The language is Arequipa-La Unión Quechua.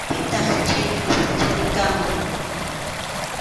Pitaq chay mistichari kanman.